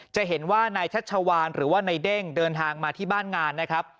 จะเห็นว่านายชัชวานหรือว่านายเด้งเดินทางมาที่บ้านงานนะครับ